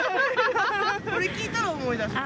これ聴いたら思い出した。